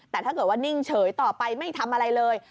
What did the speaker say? แต่ถ้าเกิดว่านิ่งเฉยต่อไปไม่ทำอะไรเลย